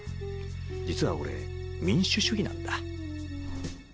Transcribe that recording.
実は俺民主主義なんだ。